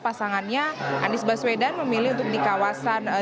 pasangannya anies baswedan memilih untuk di kawasan